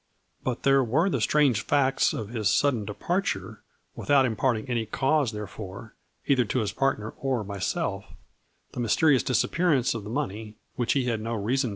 But there were the strange facts of his sudden departure, without imparting any cause therefor, either to his partner or myself ; the mysterious disap pearance of the money, which he had no reason A FLURRY IN DIAMONDS.